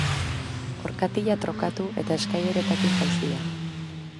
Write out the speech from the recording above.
Orkatila trokatu eta eskaileretatik jausi da.